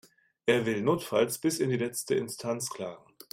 Er will notfalls bis in die letzte Instanz klagen.